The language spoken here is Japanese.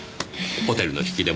ホテルの引き出